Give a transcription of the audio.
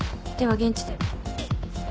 では現地で。